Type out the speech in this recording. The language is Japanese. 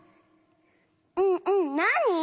うんうんなに？